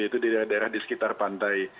yaitu di daerah daerah di sekitar pantai